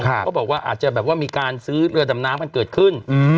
เขาบอกว่าอาจจะแบบว่ามีการซื้อเรือดำน้ำกันเกิดขึ้น